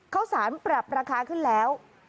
ข้าวสารปรับราคาขึ้นแล้ว